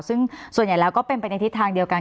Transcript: ซึ่งส่วนใหญ่แล้วก็เป็นไปในทิศทางเดียวกัน